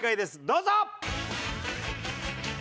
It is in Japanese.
どうぞ。